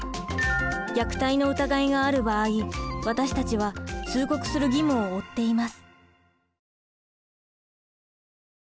虐待の疑いがある場合私たちは通告する義務を負っています。